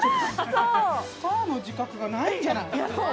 スターの自覚がないんじゃない？